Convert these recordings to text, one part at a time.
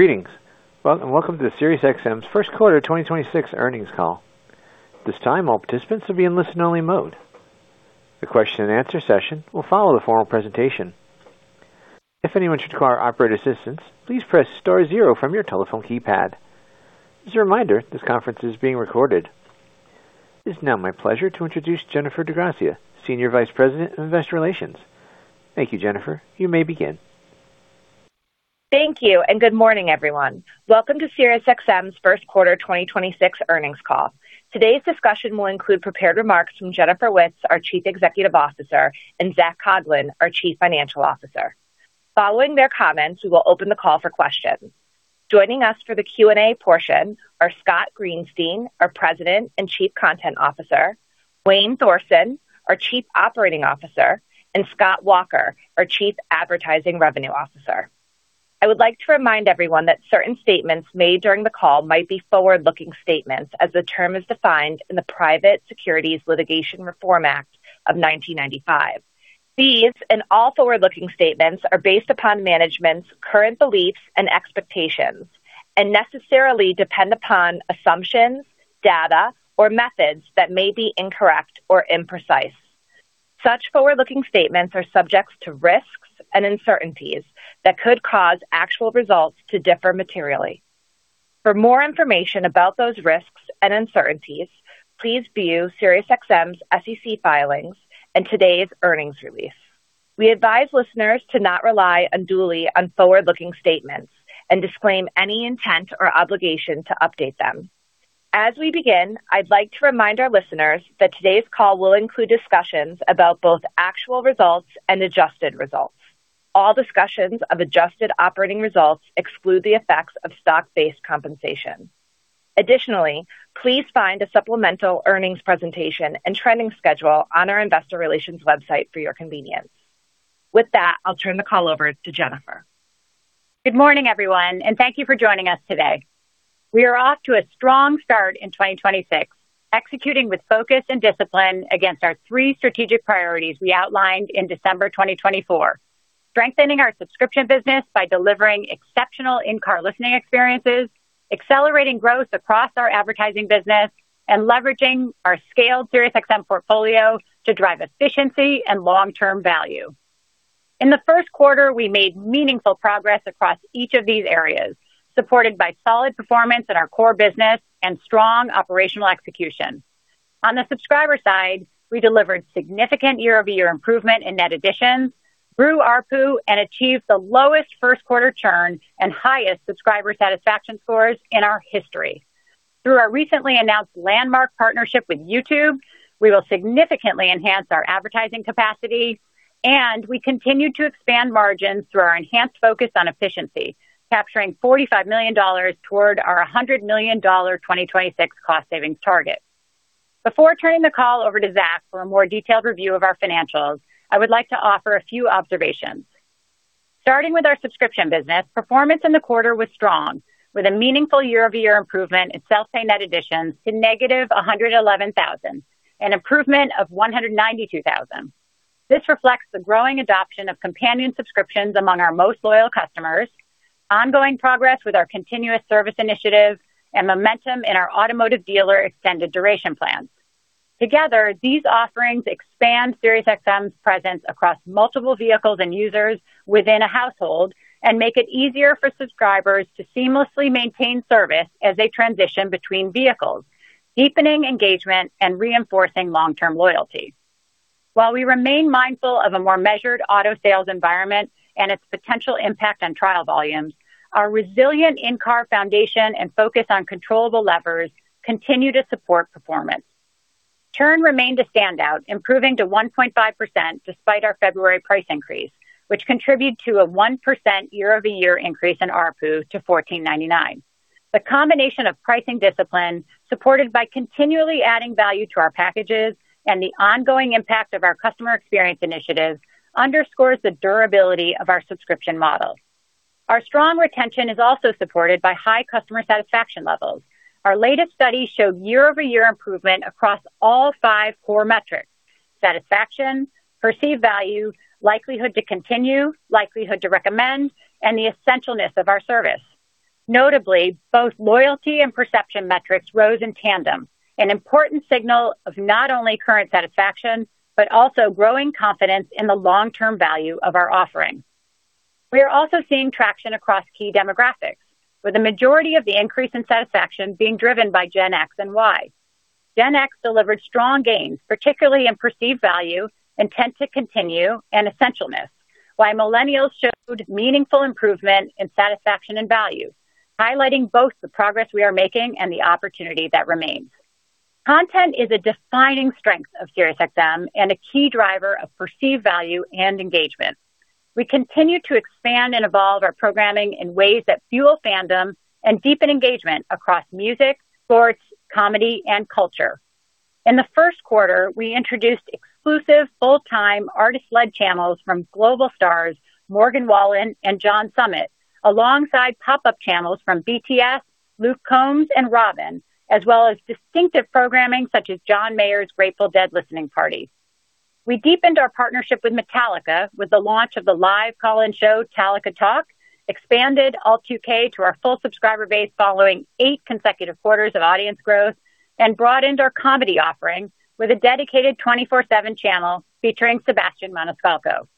Greetings. Welcome to the SiriusXM's first quarter 2026 earnings call. This time, all participants will be in listen-only mode. The question-and-answer session will follow the formal presentation. As a reminder, this conference is being recorded. It's now my pleasure to introduce Jennifer DiGrazia, Senior Vice President of Investor Relations. Thank you, Jennifer DiGrazia. You may begin. Thank you. Good morning, everyone. Welcome to SiriusXM's first quarter 2026 earnings call. Today's discussion will include prepared remarks from Jennifer Witz, our Chief Executive Officer, and Zac Coughlin, our Chief Financial Officer. Following their comments, we will open the call for questions. Joining us for the Q&A portion are Scott Greenstein, our President and Chief Content Officer, Wayne Thorsen, our Chief Operating Officer, and Scott Walker, our Chief Advertising Revenue Officer. I would like to remind everyone that certain statements made during the call might be forward-looking statements as the term is defined in the Private Securities Litigation Reform Act of 1995. These and all forward-looking statements are based upon management's current beliefs and expectations and necessarily depend upon assumptions, data, or methods that may be incorrect or imprecise. Such forward-looking statements are subjects to risks and uncertainties that could cause actual results to differ materially. For more information about those risks and uncertainties, please view SiriusXM's SEC filings and today's earnings release. We advise listeners to not rely unduly on forward-looking statements and disclaim any intent or obligation to update them. As we begin, I'd like to remind our listeners that today's call will include discussions about both actual results and adjusted results. All discussions of adjusted operating results exclude the effects of stock-based compensation. Additionally, please find a supplemental earnings presentation and trending schedule on our investor relations website for your convenience. With that, I'll turn the call over to Jennifer. Good morning, everyone, and thank you for joining us today. We are off to a strong start in 2026, executing with focus and discipline against our three strategic priorities we outlined in December 2024, strengthening our subscription business by delivering exceptional in-car listening experiences, accelerating growth across our advertising business, and leveraging our scaled SiriusXM portfolio to drive efficiency and long-term value. In the first quarter, we made meaningful progress across each of these areas, supported by solid performance in our core business and strong operational execution. On the subscriber side, we delivered significant year-over-year improvement in net additions through ARPU and achieved the lowest first quarter churn and highest subscriber satisfaction scores in our history. Through our recently announced landmark partnership with YouTube, we will significantly enhance our advertising capacity, and we continue to expand margins through our enhanced focus on efficiency, capturing $45 million toward our $100 million 2026 cost savings target. Before turning the call over to Zac for a more detailed review of our financials, I would like to offer a few observations. Starting with our subscription business, performance in the quarter was strong, with a meaningful year-over-year improvement in self-pay net additions to -111,000, an improvement of 192,000. This reflects the growing adoption of companion subscriptions among our most loyal customers, ongoing progress with our continuous service initiatives, and momentum in our automotive dealer extended duration plans. Together, these offerings expand SiriusXM's presence across multiple vehicles and users within a household and make it easier for subscribers to seamlessly maintain service as they transition between vehicles, deepening engagement and reinforcing long-term loyalty. While we remain mindful of a more measured auto sales environment and its potential impact on trial volumes, our resilient in-car foundation and focus on controllable levers continue to support performance. Churn remained a standout, improving to 1.5% despite our February price increase, which contributed to a 1% year-over-year increase in ARPU to $14.99. The combination of pricing discipline, supported by continually adding value to our packages and the ongoing impact of our customer experience initiatives underscores the durability of our subscription model. Our strong retention is also supported by high customer satisfaction levels. Our latest study showed year-over-year improvement across all five core metrics: satisfaction, perceived value, likelihood to continue, likelihood to recommend, and the essentialness of our service. Notably, both loyalty and perception metrics rose in tandem, an important signal of not only current satisfaction, but also growing confidence in the long-term value of our offering. We are also seeing traction across key demographics, with the majority of the increase in satisfaction being driven by Gen X and Y. Gen X delivered strong gains, particularly in perceived value, intent to continue, and essentialness, while millennials showed meaningful improvement in satisfaction and value, highlighting both the progress we are making and the opportunity that remains. Content is a defining strength of SiriusXM and a key driver of perceived value and engagement. We continue to expand and evolve our programming in ways that fuel fandom and deepen engagement across music, sports, comedy, and culture. In the first quarter, we introduced exclusive full-time artist-led channels from global stars Morgan Wallen and John Summit, alongside pop-up channels from BTS, Luke Combs, and Robyn, as well as distinctive programming such as John Mayer's Grateful Dead listening party. We deepened our partnership with Metallica with the launch of the live call-in show, 'Tallica Talk, expanded Alt2K to our full subscriber base following eight consecutive quarters of audience growth, and broadened our comedy offering with a dedicated 24/7 channel featuring Sebastian Maniscalco.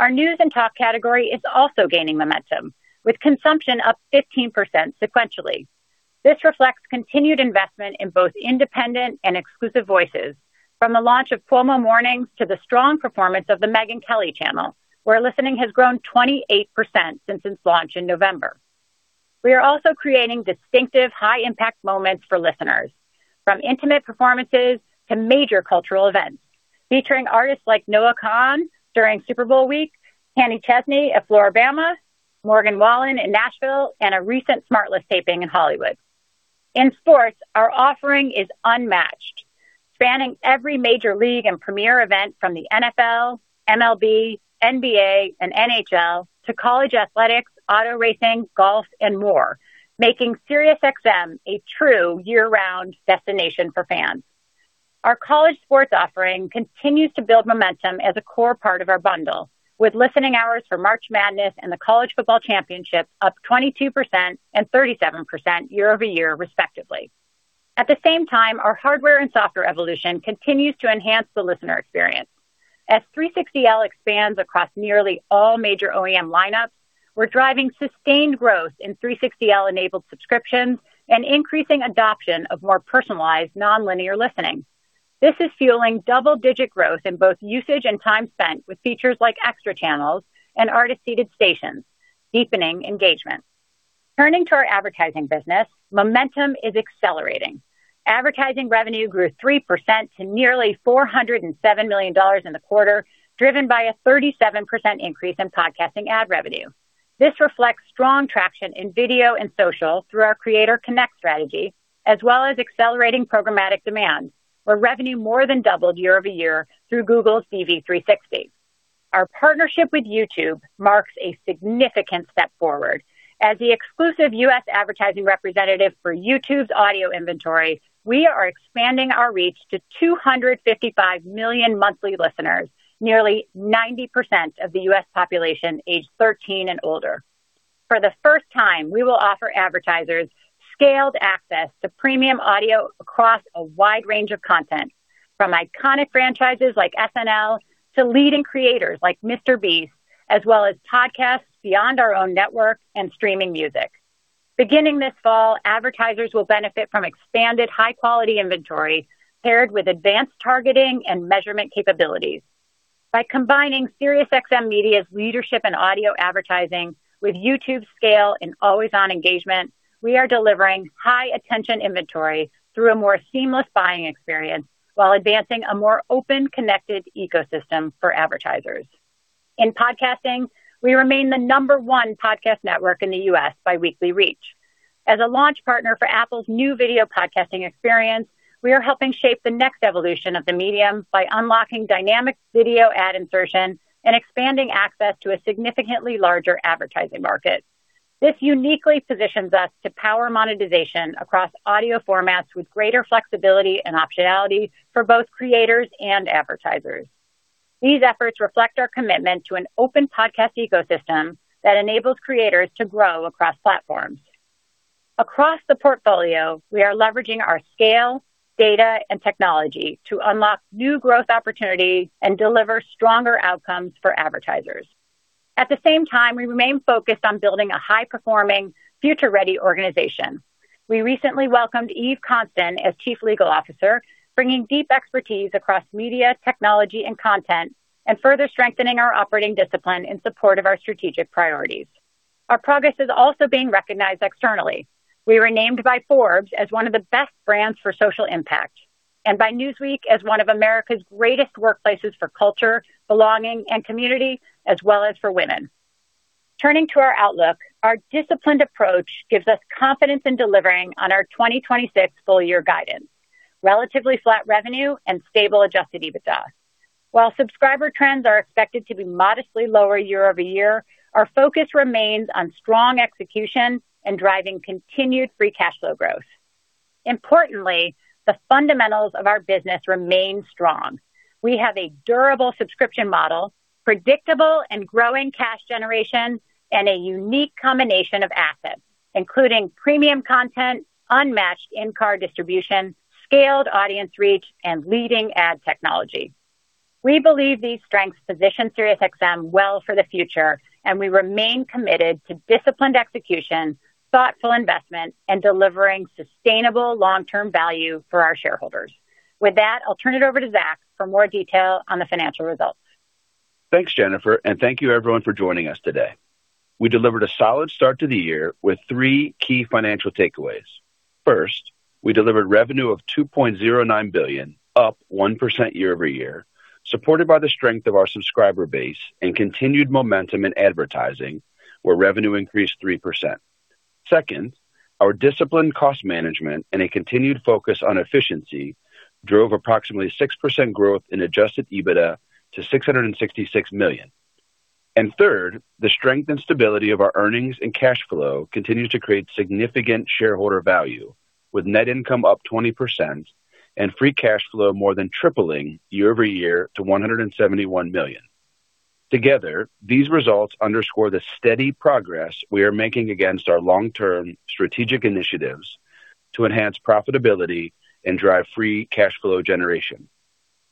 Our news and talk category is also gaining momentum, with consumption up 15% sequentially. This reflects continued investment in both independent and exclusive voices, from the launch of Cuomo Mornings to the strong performance of The Megyn Kelly Channel, where listening has grown 28% since its launch in November. We are also creating distinctive high-impact moments for listeners, from intimate performances to major cultural events, featuring artists like Noah Kahan during Super Bowl week, Kenny Chesney at Floribama, Morgan Wallen in Nashville, and a recent SmartLess taping in Hollywood. In sports, our offering is unmatched, spanning every major league and premier event from the NFL, MLB, NBA, and NHL to college athletics, auto racing, golf, and more, making SiriusXM a true year-round destination for fans. Our college sports offering continues to build momentum as a core part of our bundle, with listening hours for March Madness and the College Football Championship up 22% and 37% year-over-year, respectively. At the same time, our hardware and software evolution continues to enhance the listener experience. As 360L expands across nearly all major OEM lineups, we're driving sustained growth in 360L-enabled subscriptions and increasing adoption of more personalized nonlinear listening. This is fueling double-digit growth in both usage and time spent with features like extra channels and artist-seeded stations, deepening engagement. Turning to our advertising business, momentum is accelerating. Advertising revenue grew 3% to nearly $407 million in the quarter, driven by a 37% increase in podcasting ad revenue. This reflects strong traction in video and social through our Creator Connect strategy, as well as accelerating programmatic demand, where revenue more than doubled year-over-year through Google's DV360. Our partnership with YouTube marks a significant step forward. As the exclusive U.S. advertising representative for YouTube's audio inventory, we are expanding our reach to 255 million monthly listeners, nearly 90% of the U.S. population aged 13 and older. For the first time, we will offer advertisers scaled access to premium audio across a wide range of content, from iconic franchises like SNL to leading creators like MrBeast, as well as podcasts beyond our own network and streaming music. Beginning this fall, advertisers will benefit from expanded high-quality inventory paired with advanced targeting and measurement capabilities. By combining SiriusXM Media's leadership in audio advertising with YouTube's scale and always-on engagement, we are delivering high-attention inventory through a more seamless buying experience while advancing a more open, connected ecosystem for advertisers. In podcasting, we remain the number-one podcast network in the U.S. by weekly reach. As a launch partner for Apple's new video podcasting experience, we are helping shape the next evolution of the medium by unlocking dynamic video ad insertion and expanding access to a significantly larger advertising market. This uniquely positions us to power monetization across audio formats with greater flexibility and optionality for both creators and advertisers. These efforts reflect our commitment to an open podcast ecosystem that enables creators to grow across platforms. Across the portfolio, we are leveraging our scale, data, and technology to unlock new growth opportunities and deliver stronger outcomes for advertisers. At the same time, we remain focused on building a high-performing, future-ready organization. We recently welcomed Eve Konstan as Chief Legal Officer, bringing deep expertise across media, technology, and content, and further strengthening our operating discipline in support of our strategic priorities. Our progress is also being recognized externally. We were named by Forbes as one of the best brands for social impact and by Newsweek as one of America's greatest workplaces for culture, belonging, and community, as well as for women. Turning to our outlook, our disciplined approach gives us confidence in delivering on our 2026 full-year guidance, relatively flat revenue, and stable adjusted EBITDA. While subscriber trends are expected to be modestly lower year-over-year, our focus remains on strong execution and driving continued free cash flow growth. Importantly, the fundamentals of our business remain strong. We have a durable subscription model, predictable and growing cash generation, and a unique combination of assets, including premium content, unmatched in-car distribution, scaled audience reach, and leading ad technology. We believe these strengths position SiriusXM well for the future, and we remain committed to disciplined execution, thoughtful investment, and delivering sustainable long-term value for our shareholders. With that, I'll turn it over to Zac for more detail on the financial results. Thanks, Jennifer. Thank you everyone for joining us today. We delivered a solid start to the year with three key financial takeaways. First, we delivered revenue of $2.09 billion, up 1% year-over-year, supported by the strength of our subscriber base and continued momentum in advertising, where revenue increased 3%. Second, our disciplined cost management and a continued focus on efficiency drove approximately 6% growth in adjusted EBITDA to $666 million. Third, the strength and stability of our earnings and cash flow continues to create significant shareholder value, with net income up 20% and free cash flow more than tripling year-over-year to $171 million. Together, these results underscore the steady progress we are making against our long-term strategic initiatives to enhance profitability and drive free cash flow generation.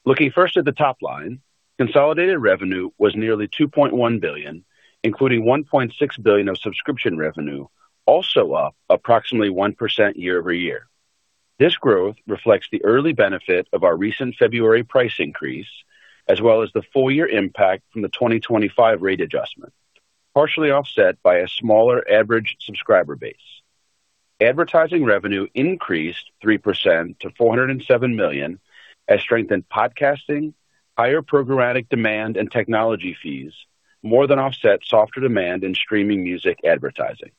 Looking first at the top line, consolidated revenue was nearly $2.1 billion, including $1.6 billion of subscription revenue, also up approximately 1% year-over-year. This growth reflects the early benefit of our recent February price increase, as well as the full year impact from the 2025 rate adjustment, partially offset by a smaller average subscriber base. Advertising revenue increased 3% to $407 million as strengthened podcasting, higher programmatic demand and technology fees more than offset softer demand in streaming music advertising.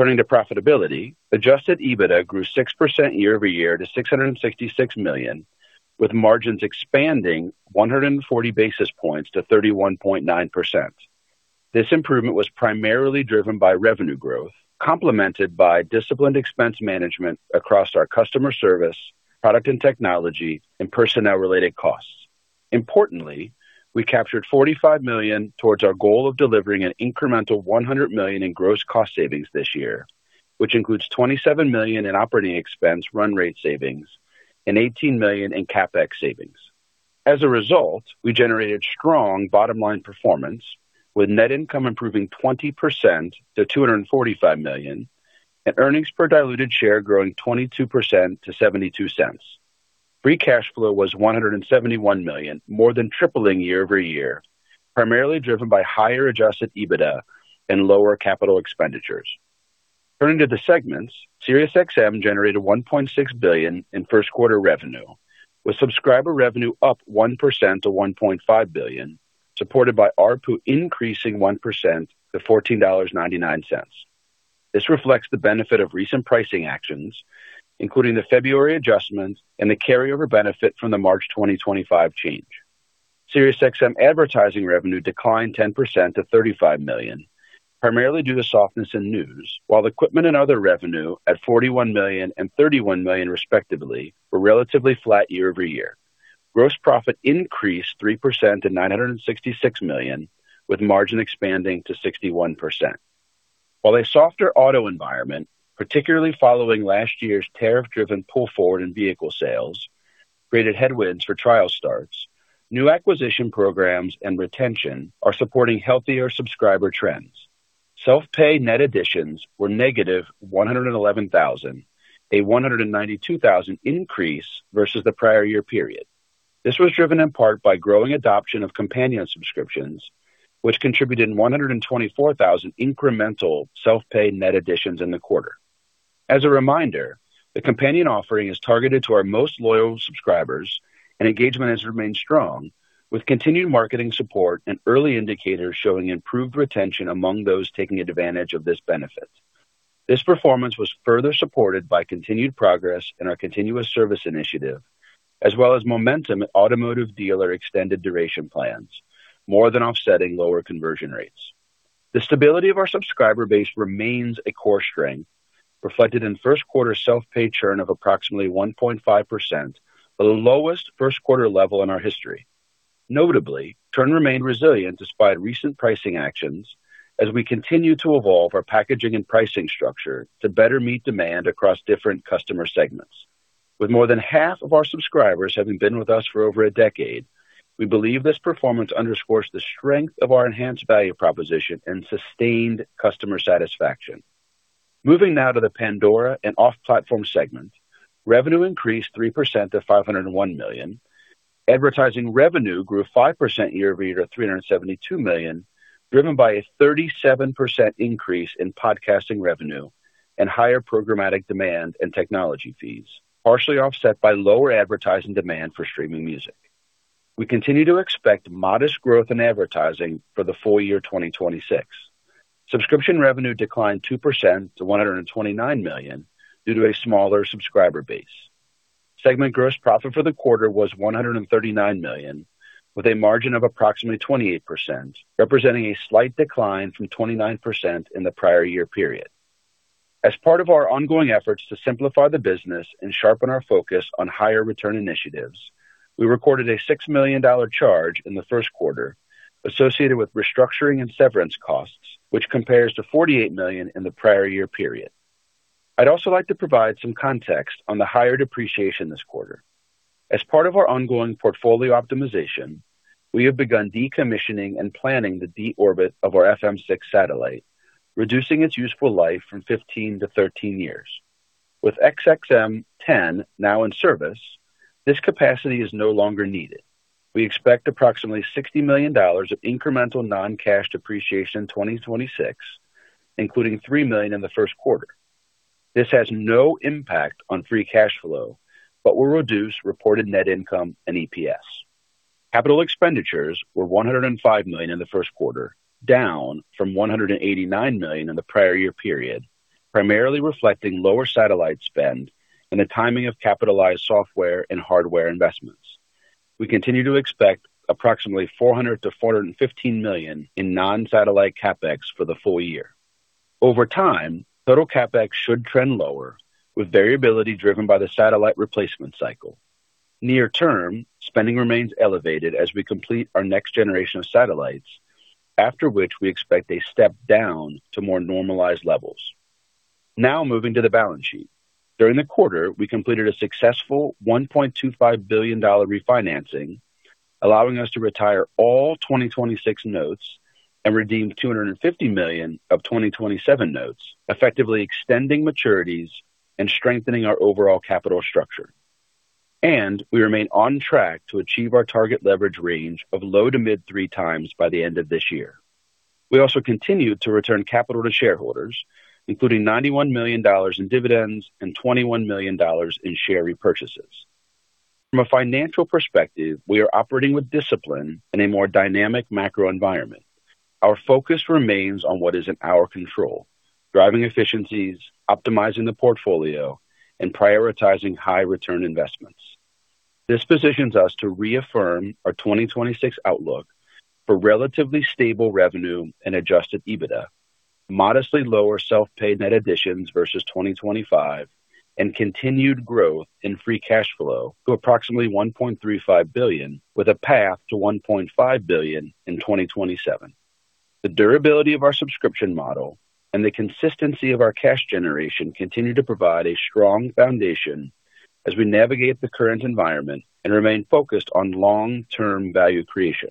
Turning to profitability, adjusted EBITDA grew 6% year-over-year to $666 million, with margins expanding 140 basis points to 31.9%. This improvement was primarily driven by revenue growth, complemented by disciplined expense management across our customer service, product and technology, and personnel related costs. Importantly, we captured $45 million towards our goal of delivering an incremental $100 million in gross cost savings this year, which includes $27 million in operating expense run rate savings and $18 million in CapEx savings. As a result, we generated strong bottom line performance, with net income improving 20% to $245 million and earnings per diluted share growing 22% to $0.72. Free cash flow was $171 million, more than tripling year-over-year, primarily driven by higher adjusted EBITDA and lower capital expenditures. Turning to the segments, SiriusXM generated $1.6 billion in first quarter revenue, with subscriber revenue up 1% to $1.5 billion, supported by ARPU increasing 1% to $14.99. This reflects the benefit of recent pricing actions, including the February adjustment and the carryover benefit from the March 2025 change. SiriusXM advertising revenue declined 10% to $35 million, primarily due to softness in news, while equipment and other revenue at $41 million and $31 million, respectively, were relatively flat year-over-year. Gross profit increased 3% to $966 million, with margin expanding to 61%. While a softer auto environment, particularly following last year's tariff-driven pull forward in vehicle sales, created headwinds for trial starts, new acquisition programs and retention are supporting healthier subscriber trends. Self-pay net additions were -111,000, a 192,000 increase versus the prior year period. This was driven in part by growing adoption of companion subscriptions, which contributed in 124,000 incremental self-pay net additions in the quarter. As a reminder, the companion offering is targeted to our most loyal subscribers. Engagement has remained strong, with continued marketing support and early indicators showing improved retention among those taking advantage of this benefit. This performance was further supported by continued progress in our Continuous Service Initiative, as well as momentum at automotive dealer extended duration plans, more than offsetting lower conversion rates. The stability of our subscriber base remains a core strength, reflected in first quarter self-pay churn of approximately 1.5%, the lowest first quarter level in our history. Notably, churn remained resilient despite recent pricing actions as we continue to evolve our packaging and pricing structure to better meet demand across different customer segments. With more than half of our subscribers having been with us for over a decade, we believe this performance underscores the strength of our enhanced value proposition and sustained customer satisfaction. Moving now to the Pandora and off-platform segment, revenue increased 3% to $501 million. Advertising revenue grew 5% year-over-year to $372 million, driven by a 37% increase in podcasting revenue and higher programmatic demand and technology fees, partially offset by lower advertising demand for streaming music. We continue to expect modest growth in advertising for the full year 2026. Subscription revenue declined 2% to $129 million due to a smaller subscriber base. Segment gross profit for the quarter was $139 million, with a margin of approximately 28%, representing a slight decline from 29% in the prior year period. As part of our ongoing efforts to simplify the business and sharpen our focus on higher return initiatives, we recorded a $6 million charge in the first quarter associated with restructuring and severance costs, which compares to $48 million in the prior year period. I'd also like to provide some context on the higher depreciation this quarter. As part of our ongoing portfolio optimization, we have begun decommissioning and planning the deorbit of our FM-6 satellite, reducing its useful life from 15 to 13 years. With SXM-10 now in service, this capacity is no longer needed. We expect approximately $60 million of incremental non-cash depreciation in 2026, including $3 million in the first quarter. This has no impact on free cash flow, but will reduce reported net income and EPS. Capital expenditures were $105 million in the first quarter, down from $189 million in the prior year period. Primarily reflecting lower satellite spend and the timing of capitalized software and hardware investments. We continue to expect approximately $400 million-$415 million in non-satellite CapEx for the full year. Over time, total CapEx should trend lower with variability driven by the satellite replacement cycle. Near term, spending remains elevated as we complete our next generation of satellites, after which we expect a step down to more normalized levels. Moving to the balance sheet. During the quarter, we completed a successful $1.25 billion refinancing, allowing us to retire all 2026 notes and redeem $250 million of 2027 notes, effectively extending maturities and strengthening our overall capital structure. We remain on track to achieve our target leverage range of low to mid 3x by the end of this year. We also continued to return capital to shareholders, including $91 million in dividends and $21 million in share repurchases. From a financial perspective, we are operating with discipline in a more dynamic macro environment. Our focus remains on what is in our control, driving efficiencies, optimizing the portfolio, and prioritizing high return investments. This positions us to reaffirm our 2026 outlook for relatively stable revenue and adjusted EBITDA, modestly lower self-pay net additions versus 2025, and continued growth in free cash flow to approximately $1.35 billion, with a path to $1.5 billion in 2027. The durability of our subscription model and the consistency of our cash generation continue to provide a strong foundation as we navigate the current environment and remain focused on long-term value creation.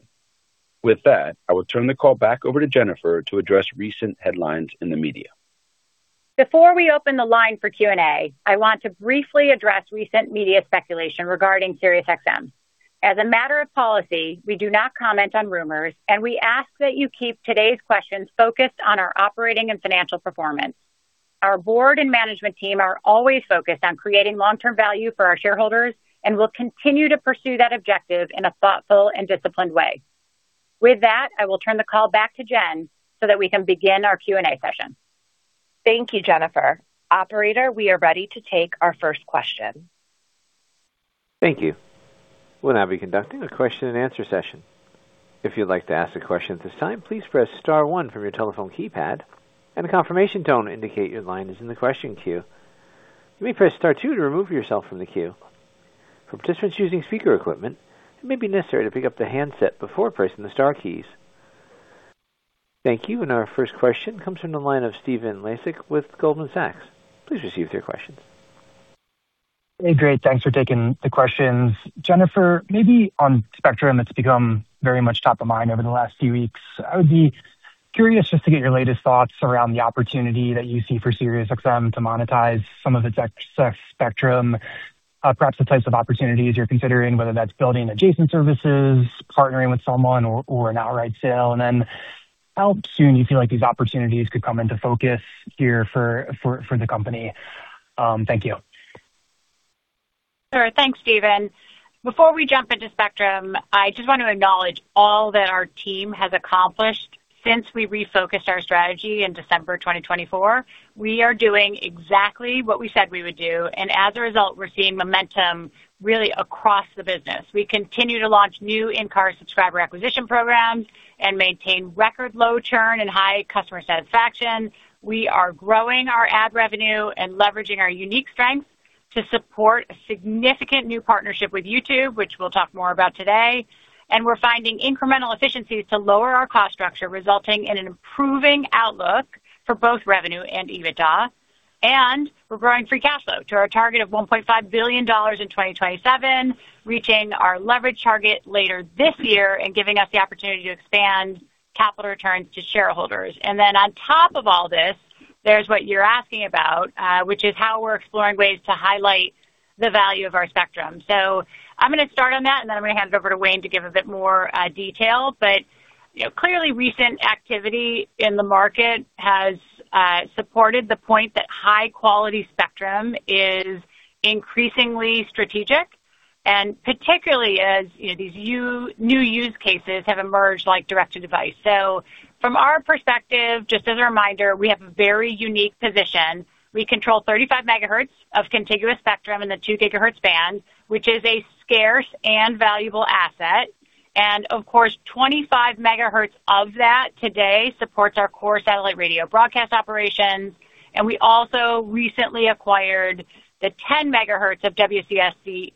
With that, I will turn the call back over to Jennifer to address recent headlines in the media. Before we open the line for Q&A, I want to briefly address recent media speculation regarding SiriusXM. As a matter of policy, we do not comment on rumors, and we ask that you keep today's questions focused on our operating and financial performance. Our Board and management team are always focused on creating long-term value for our shareholders and will continue to pursue that objective in a thoughtful and disciplined way. With that, I will turn the call back to Jen so that we can begin our Q&A session. Thank you, Jennifer. Operator, we are ready to take our first question. Thank you. We'll now be conducting a question-and-answer session. Thank you. Our first question comes from the line of Stephen Laszczyk with Goldman Sachs. Please proceed with your question. Hey, great. Thanks for taking the questions. Jennifer, maybe on Spectrum, it's become very much top of mind over the last few weeks. I would be curious just to get your latest thoughts around the opportunity that you see for SiriusXM to monetize some of its excess spectrum. Perhaps the types of opportunities you're considering, whether that's building adjacent services, partnering with someone or an outright sale. How soon you feel like these opportunities could come into focus here for the company. Thank you. Sure. Thanks, Stephen. Before we jump into Spectrum, I just want to acknowledge all that our team has accomplished since we refocused our strategy in December 2024. We are doing exactly what we said we would do, and as a result, we're seeing momentum really across the business. We continue to launch new in-car subscriber acquisition programs and maintain record low churn and high customer satisfaction. We are growing our ad revenue and leveraging our unique strengths to support a significant new partnership with YouTube, which we'll talk more about today. We're finding incremental efficiencies to lower our cost structure, resulting in an improving outlook for both revenue and EBITDA. We're growing free cash flow to our target of $1.5 billion in 2027, reaching our leverage target later this year and giving us the opportunity to expand capital returns to shareholders. On top of all this, there's what you're asking about, which is how we're exploring ways to highlight the value of our spectrum. I'm gonna start on that, and then I'm gonna hand it over to Wayne to give a bit more detail. You know, clearly recent activity in the market has supported the point that high quality spectrum is increasingly strategic, and particularly as, you know, these new use cases have emerged like direct to device. From our perspective, just as a reminder, we have a very unique position. We control 35 MHz of contiguous spectrum in the 2 GHz band, which is a scarce and valuable asset. Of course, 25 MHz of that Htoday supports our core satellite radio broadcast operations. We also recently acquired the 10 MHz of WCS C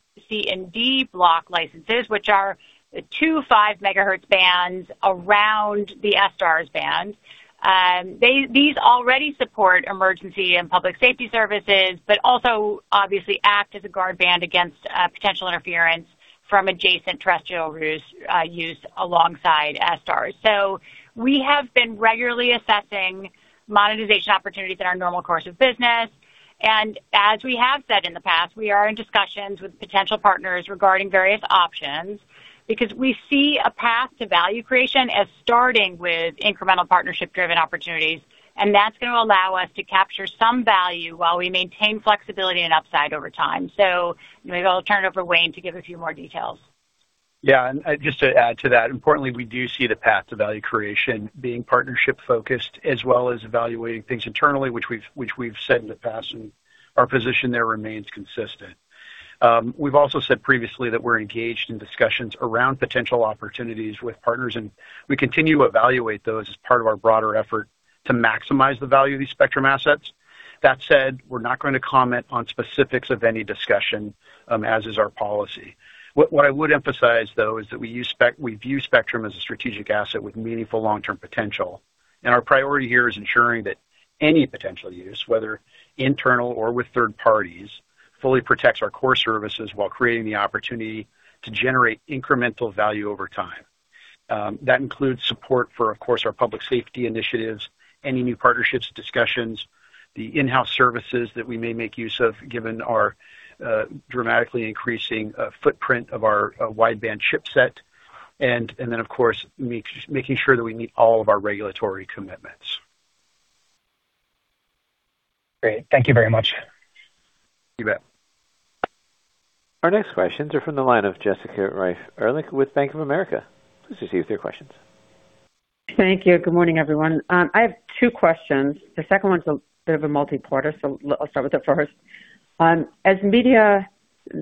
and D block licenses, which are the two 5 MHz bands around the S-band. These already support emergency and public safety services, but also obviously act as a guard band against potential interference from adjacent terrestrial use alongside S-band. We have been regularly assessing monetization opportunities in our normal course of business. As we have said in the past, we are in discussions with potential partners regarding various options because we see a path to value creation as starting with incremental partnership driven opportunities, and that's gonna allow us to capture some value while we maintain flexibility and upside over time. You know, I'll turn it over to Wayne to give a few more details. Yeah. Just to add to that, importantly, we do see the path to value creation being partnership focused as well as evaluating things internally, which we've said in the past, and our position there remains consistent. We've also said previously that we're engaged in discussions around potential opportunities with partners, we continue to evaluate those as part of our broader effort to maximize the value of these spectrum assets. That said, we're not going to comment on specifics of any discussion, as is our policy. What I would emphasize, though, is that we view spectrum as a strategic asset with meaningful long-term potential. Our priority here is ensuring that any potential use, whether internal or with third parties, fully protects our core services while creating the opportunity to generate incremental value over time. That includes support for, of course, our public safety initiatives, any new partnerships discussions, the in-house services that we may make use of given our dramatically increasing footprint of our wideband chipset, and then of course, making sure that we meet all of our regulatory commitments. Great. Thank you very much. You bet. Our next questions are from the line of Jessica Reif Ehrlich with Bank of America. Please proceed with your questions. Thank you. Good morning, everyone. I have two questions. The second one's a bit of a multi-parter, so I'll start with the first. As media,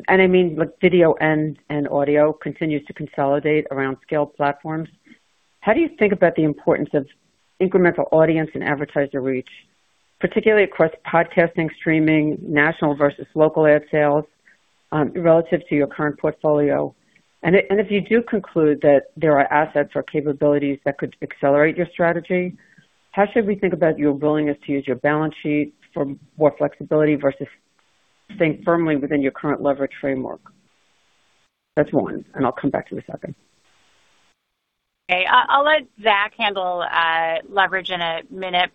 and I mean, like video and audio continues to consolidate around scaled platforms, how do you think about the importance of incremental audience and advertiser reach, particularly across podcasting, streaming, national versus local ad sales, relative to your current portfolio? If you do conclude that there are assets or capabilities that could accelerate your strategy, how should we think about your willingness to use your balance sheet for more flexibility versus staying firmly within your current leverage framework? That's one. I'll come back to the second. Okay. I'll let Zac handle leverage in a minute.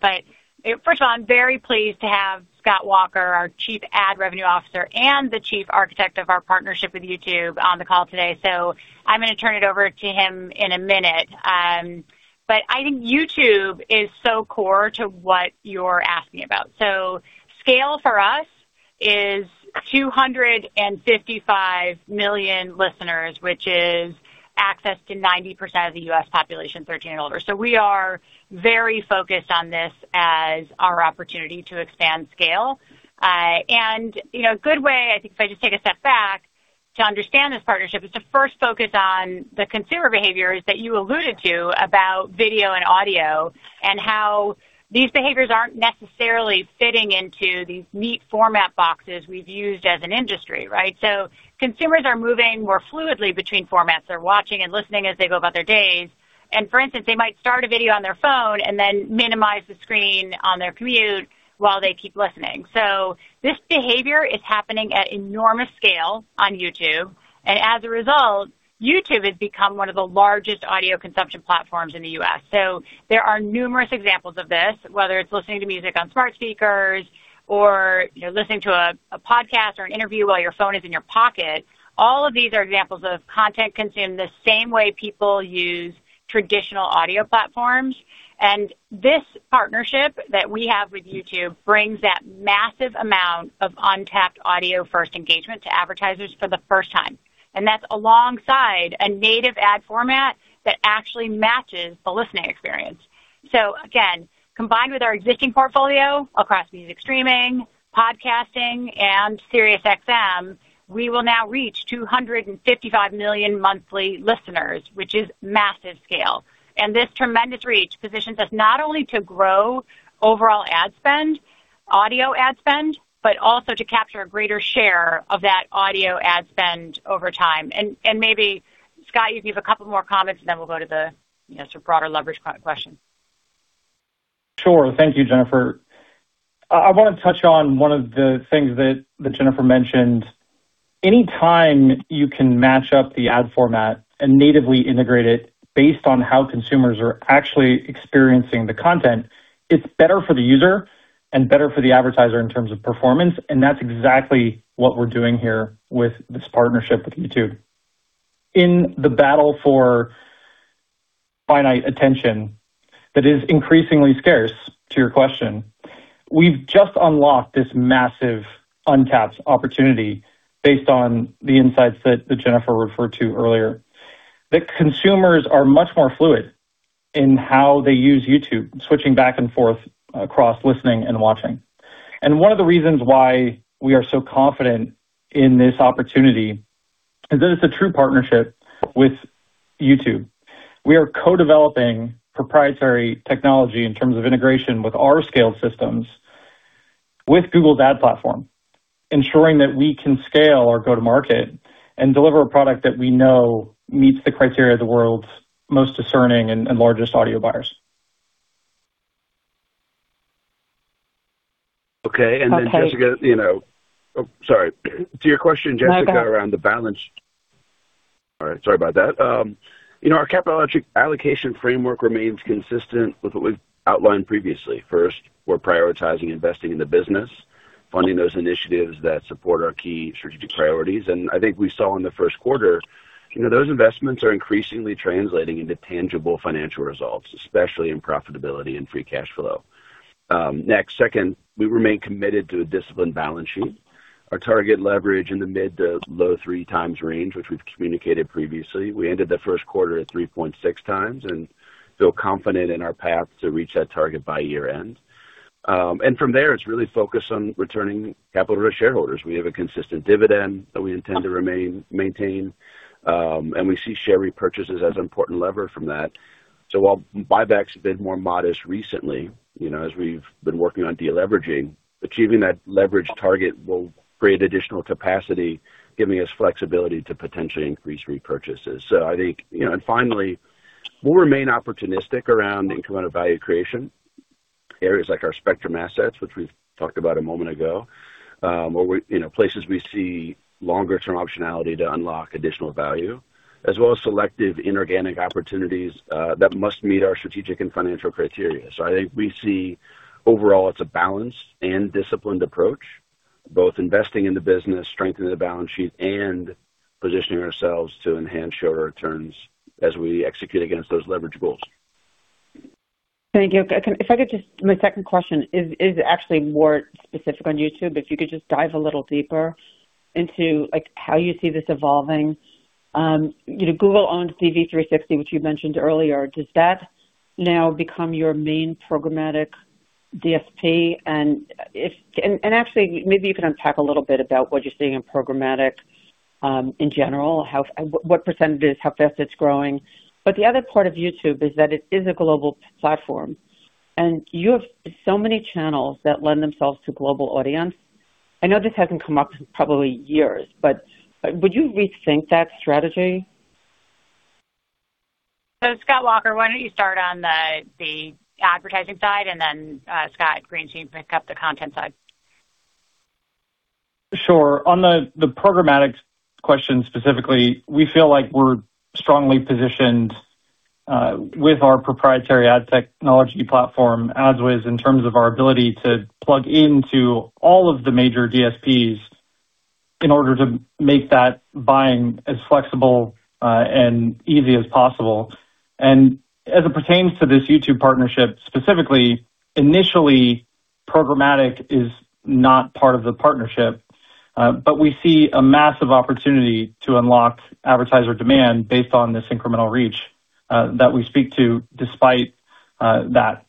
First of all, I'm very pleased to have Scott Walker, our Chief Ad Revenue Officer and the chief architect of our partnership with YouTube on the call today. I'm gonna turn it over to him in a minute. I think YouTube is so core to what you're asking about. Scale for us is 255 million listeners, which is access to 90% of the U.S. population 13 and older. We are very focused on this as our opportunity to expand scale. You know, a good way, I think if I just take a step back to understand this partnership, is to first focus on the consumer behaviors that you alluded to about video and audio and how these behaviors aren't necessarily fitting into these neat format boxes we've used as an industry, right? Consumers are moving more fluidly between formats. They're watching and listening as they go about their days. For instance, they might start a video on their phone and then minimize the screen on their commute while they keep listening. This behavior is happening at enormous scale on YouTube. As a result, YouTube has become one of the largest audio consumption platforms in the U.S. There are numerous examples of this, whether it's listening to music on smart speakers or, you know, listening to a podcast or an interview while your phone is in your pocket. All of these are examples of content consumed the same way people use traditional audio platforms. This partnership that we have with YouTube brings that massive amount of untapped audio-first engagement to advertisers for the first time. That's alongside a native ad format that actually matches the listening experience. Again, combined with our existing portfolio across music streaming, podcasting, and SiriusXM, we will now reach 255 million monthly listeners, which is massive scale. This tremendous reach positions us not only to grow overall ad spend, audio ad spend, but also to capture a greater share of that audio ad spend over time. Maybe, Scott, you can give a couple more comments, and then we'll go to the, you know, sort of broader leverage question. Sure. Thank you, Jennifer. I wanna touch on one of the things that Jennifer mentioned. Any time you can match up the ad format and natively integrate it based on how consumers are actually experiencing the content, it's better for the user and better for the advertiser in terms of performance. That's exactly what we're doing here with this partnership with YouTube. In the battle for finite attention that is increasingly scarce to your question, we've just unlocked this massive untapped opportunity based on the insights that Jennifer referred to earlier, that consumers are much more fluid in how they use YouTube, switching back and forth across listening and watching. One of the reasons why we are so confident in this opportunity is that it's a true partnership with YouTube. We are co-developing proprietary technology in terms of integration with our scaled systems with Google's ad platform, ensuring that we can scale or go to market and deliver a product that we know meets the criteria of the world's most discerning and largest audio buyers. Okay. Then Jessica- Okay. You know Oh, sorry. To your question, Jessica- No, go ahead. -around the balance. All right. Sorry about that. you know, our CapEx allocation framework remains consistent with what we've outlined previously. First, we're prioritizing investing in the business, funding those initiatives that support our key strategic priorities. I think we saw in the 1st quarter, you know, those investments are increasingly translating into tangible financial results, especially in profitability and free cash flow. Next, second, we remain committed to a disciplined balance sheet. Our target leverage in the mid to low 3x range, which we've communicated previously. We ended the first quarter at 3.6x and feel confident in our path to reach that target by year-end. From there, it's really focused on returning capital to shareholders. We have a consistent dividend that we intend to maintain, and we see share repurchases as an important lever from that. While buybacks have been more modest recently, as we've been working on de-leveraging, achieving that leverage target will create additional capacity, giving us flexibility to potentially increase repurchases. Finally, we'll remain opportunistic around incremental value creation. Areas like our Spectrum assets, which we've talked about a moment ago, or you know, places we see longer-term optionality to unlock additional value, as well as selective inorganic opportunities, that must meet our strategic and financial criteria. I think we see overall it's a balanced and disciplined approach, both investing in the business, strengthening the balance sheet, and positioning ourselves to enhance shareholder returns as we execute against those leverage goals. Thank you. My second question is actually more specific on YouTube, if you could just dive a little deeper into, like, how you see this evolving. You know Google-owned DV360, which you mentioned earlier, does that now become your main programmatic DSP? Actually maybe you can unpack a little bit about what you're seeing in programmatic, in general, what percentage, how fast it's growing. The other part of YouTube is that it is a global platform, and you have so many channels that lend themselves to global audience. I know this hasn't come up in probably years, would you rethink that strategy? Scott Walker, why don't you start on the advertising side and then Scott Greenstein pick up the content side. Sure. On the programmatic question specifically, we feel like we're strongly positioned with our proprietary ad technology platform, AdsWizz, in terms of our ability to plug into all of the major DSPs in order to make that buying as flexible and easy as possible. As it pertains to this YouTube partnership specifically, initially programmatic is not part of the partnership, but we see a massive opportunity to unlock advertiser demand based on this incremental reach that we speak to despite that.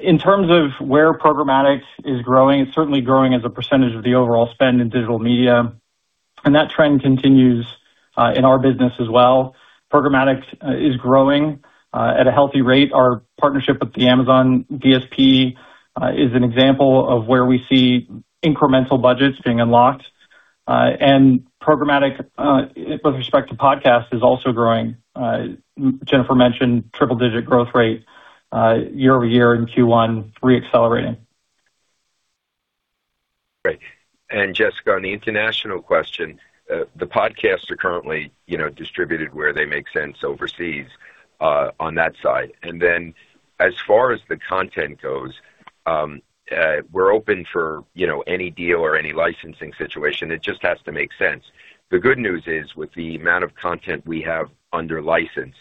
In terms of where programmatic is growing, it's certainly growing as a percentage of the overall spend in digital media, and that trend continues in our business as well. Programmatic is growing at a healthy rate. Our partnership with the Amazon DSP is an example of where we see incremental budgets being unlocked. Programmatic, with respect to podcasts, is also growing. Jennifer mentioned triple-digit growth rate, year-over-year in Q1 re-accelerating. Great. Jessica, on the international question, the podcasts are currently, you know, distributed where they make sense overseas on that side. As far as the content goes, we're open for, you know, any deal or any licensing situation. It just has to make sense. The good news is, with the amount of content we have under license,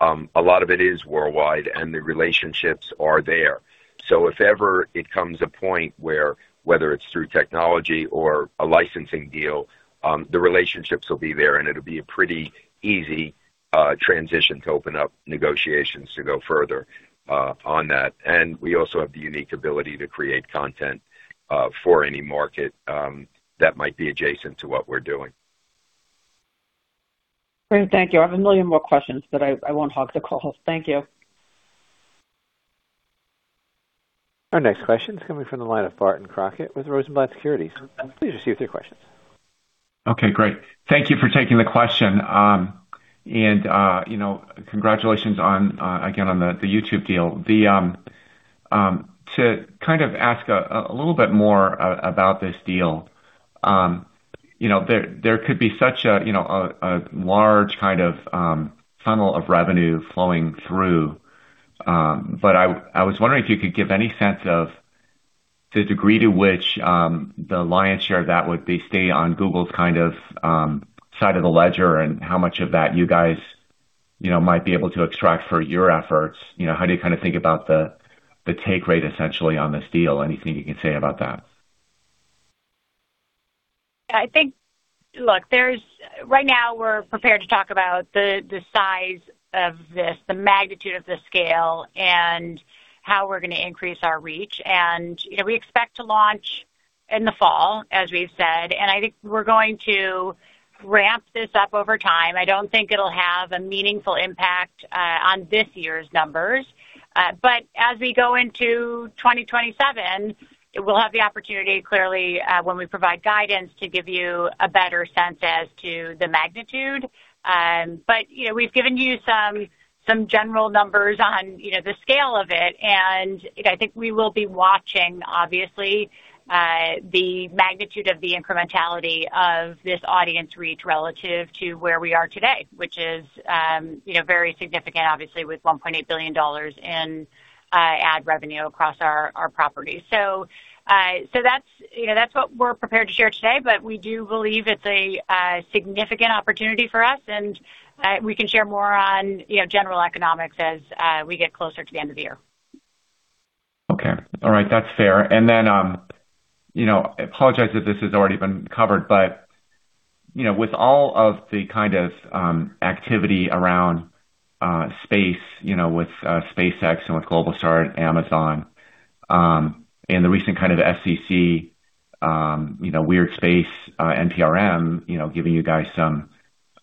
a lot of it is worldwide and the relationships are there. If ever it comes a point where, whether it's through technology or a licensing deal, the relationships will be there and it'll be a pretty easy transition to open up negotiations to go further on that. We also have the unique ability to create content for any market that might be adjacent to what we're doing. Great. Thank you. I have a million more questions, but I won't hog the call. Thank you. Our next question is coming from the line of Barton Crockett with Rosenblatt Securities. Please proceed with your questions. Okay, great. Thank you for taking the question. You know, congratulations on again, on the YouTube deal. To kind of ask a little bit more about this deal, you know, there could be such a, you know, a large kind of funnel of revenue flowing through. I was wondering if you could give any sense of the degree to which the lion's share of that would be stay on Google's kind of side of the ledger and how much of that you guys, you know, might be able to extract for your efforts. You know, how do you kind of think about the take rate essentially on this deal? Anything you can say about that? Right now we're prepared to talk about the size of this, the magnitude of the scale and how we're gonna increase our reach. You know, we expect to launch in the fall as we've said, I think we're going to ramp this up over time. I don't think it'll have a meaningful impact on this year's numbers. As we go into 2027, we'll have the opportunity clearly when we provide guidance to give you a better sense as to the magnitude. You know, we've given you some general numbers on, you know, the scale of it. You know, I think we will be watching obviously, the magnitude of the incrementality of this audience reach relative to where we are today, which is, you know, very significant obviously with $1.8 billion in ad revenue across our properties. That's, you know, that's what we're prepared to share today, but we do believe it's a significant opportunity for us, and we can share more on, you know, general economics as we get closer to the end of the year. Okay. All right. That's fair. You know, I apologize if this has already been covered, but, you know, with all of the kind of activity around space, you know, with SpaceX and with Globalstar, Amazon, and the recent kind of FCC, you know, weird space NPRM, you know, giving you guys some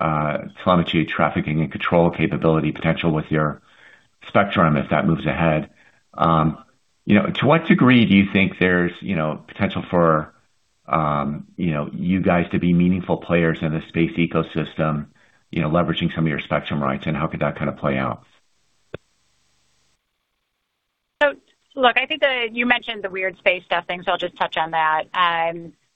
Telemetry, Tracking, and Control capability potential with your spectrum as that moves ahead. You know, to what degree do you think there's, you know, potential for, you know, you guys to be meaningful players in the space ecosystem, you know, leveraging some of your spectrum rights, and how could that kind of play out? Look, I think that you mentioned the weird space stuff thing, so I'll just touch on that.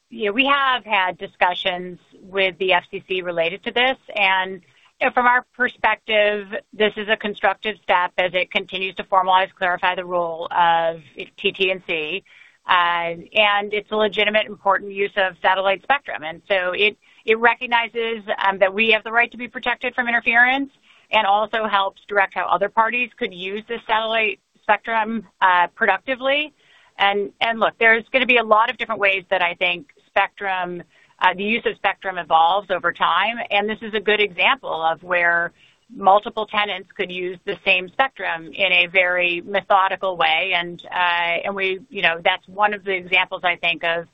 You know, we have had discussions with the FCC related to this. You know, from our perspective, this is a constructive step as it continues to formalize, clarify the role of TT&C. It's a legitimate important use of satellite spectrum. It recognizes that we have the right to be protected from interference and also helps direct how other parties could use the satellite spectrum productively. Look, there's gonna be a lot of different ways that I think the use of spectrum evolves over time, and this is a good example of where multiple tenants could use the same spectrum in a very methodical way. You know, that's one of the examples I think of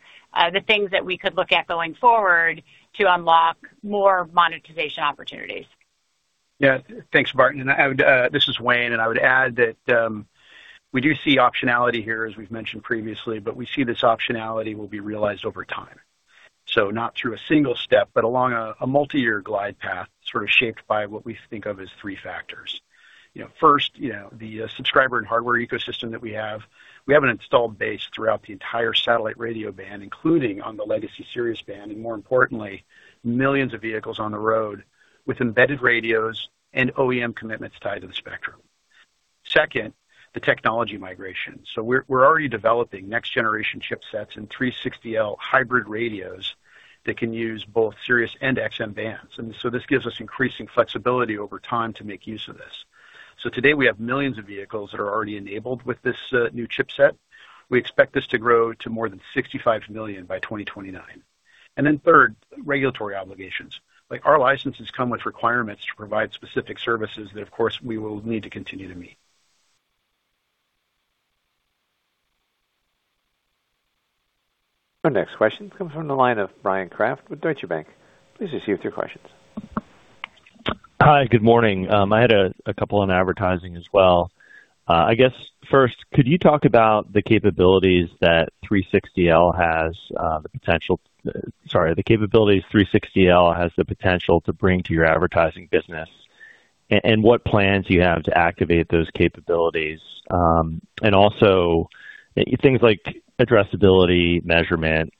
the things that we could look at going forward to unlock more monetization opportunities. Yeah. Thanks, Barton. This is Wayne, and I would add that we do see optionality here, as we've mentioned previously, but we see this optionality will be realized over time. Not through a single step, but along a multi-year glide path, sort of shaped by what we think of as three factors. First, the subscriber and hardware ecosystem that we have. We have an installed base throughout the entire satellite radio band, including on the legacy Sirius band, and more importantly, millions of vehicles on the road with embedded radios and OEM commitments tied to the spectrum. Second, the technology migration. We're already developing next generation chipsets and SiriusXM with 360L hybrid radios that can use both Sirius and XM bands. This gives us increasing flexibility over time to make use of this. Today, we have millions of vehicles that are already enabled with this new chipset. We expect this to grow to more than 65 million by 2029. Third, regulatory obligations. Like, our licenses come with requirements to provide specific services that of course we will need to continue to meet. Our next question comes from the line of Bryan Kraft with Deutsche Bank. Please proceed with your questions. Hi, good morning. I had a couple on advertising as well. I guess first, could you talk about the capabilities that SiriusXM with 360L has the potential to bring to your advertising business, and what plans you have to activate those capabilities. Also things like addressability, measurement,